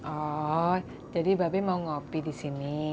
oh jadi babi mau ngopi disini